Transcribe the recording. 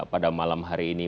pada malam hari ini